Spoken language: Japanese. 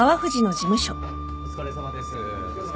お疲れさまです。